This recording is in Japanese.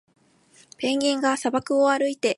ペンギンが砂漠を歩いて、「場違いだけど、冒険は楽しい！」と言った。